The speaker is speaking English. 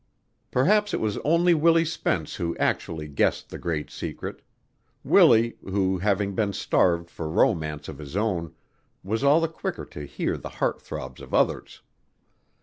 Perhaps it was only Willie Spence who actually guessed the great secret, Willie, who having been starved for romance of his own, was all the quicker to hear the heart throbs of others.